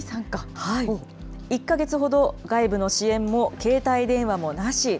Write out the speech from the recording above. １か月ほど、外部の支援も携帯電話もなし。